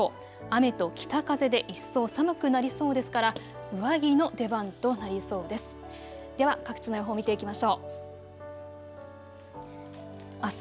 雨と北風で一層寒くなりそうですから、上着の出番となりそうです。